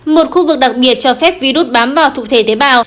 một khu vực đặc biệt cho phép virus bám vào thực thể tế bào